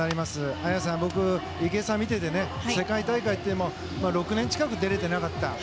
綾さん、僕、池江さん見てて世界大会って６年近く出られていなかった。